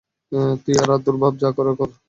তুই আর তোর বাপ, যা করার কর।